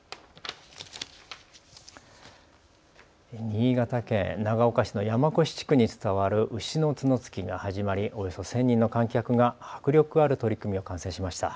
新潟県長岡市の山古志地区に伝わる牛の角突きが始まりおよそ１０００人の観客が迫力ある取組を観戦しました。